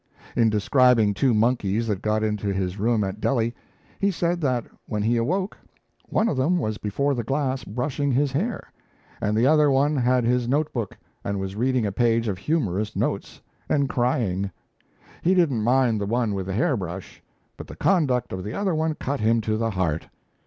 In describing two monkeys that got into his room at Delhi, he said that when he awoke, one of them was before the glass brushing his hair, and the other one had his notebook, and was reading a page of humorous notes and crying. He didn't mind the one with the hair brush; but the conduct of the other one cut him to the heart.